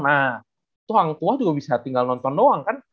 nah itu hangkuah juga bisa tinggal nonton doang kan